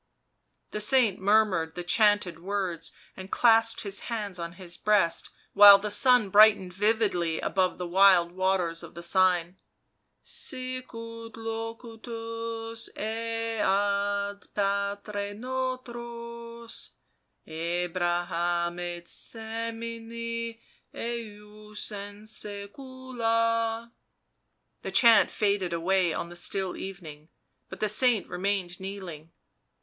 The saint murmured the chanted words and clasped his hands on his breast, while the sky brightened vividly above the wide waters of the Seine :" Sicut locutus est ad patres nostros Abraham et semini ejus in saecula." The chant faded away on the still evening, but the saint remained kneeling.